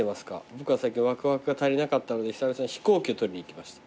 「僕は最近ワクワクが足りなかったので久々に飛行機を撮りに行きました」